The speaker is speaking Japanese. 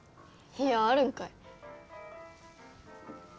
いやあるんかい。